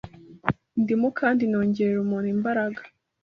Indimu kandi inongerera umuntu imbaraga,